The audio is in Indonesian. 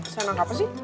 senang apa sih